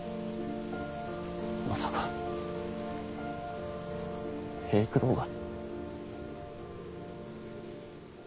まさか平九郎が。